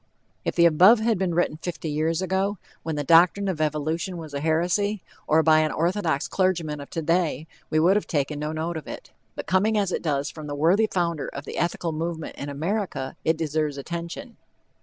If the above had been written fifty years ago, when the doctrine of evolution was a heresy, or by an orthodox clergyman of today, we would have taken no note of it. But coming as it does from the worthy founder of the Ethical Movement in America, it deserves attention.